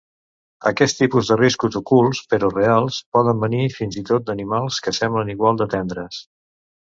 Aquest tipus de riscos ocults (però reals) poden venir fins i tot d'animals que semblen igual de tendres.